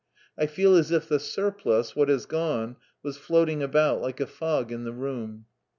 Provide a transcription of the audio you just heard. I feel as if the surplus, what has gone, was floating about like a fog in the room.